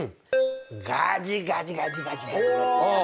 ガジガジガジガジガジ。